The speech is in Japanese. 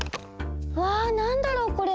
わぁなんだろうこれ。